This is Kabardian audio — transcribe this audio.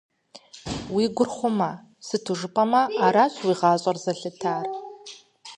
Уи гур хъумэ, сыту жыпӀэмэ аращ уи гъащӀэр зэлъытар.